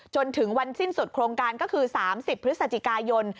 จนถึงวันสิ้นสุดโครงการก็คือ๓๐พฤศจิกายน